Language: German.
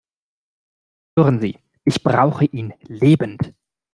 Hören Sie, ich brauche ihn lebend!